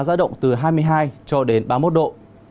giao động từ hai mươi hai cho đến ba mươi một độ